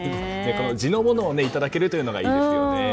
地のものをいただけるというのがいいですよね。